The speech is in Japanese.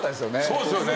そうですよね。